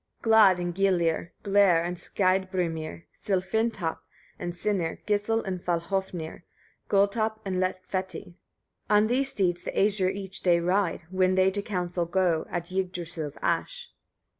30. Glad and Gyllir, Gler and Skeidbrimir, Sillfrintopp and Sinir, Gisl and Falhôfnir, Gulltopp and Lettfeti; on these steeds the Æsir each day ride, when they to council go, at Yggdrasil's ash.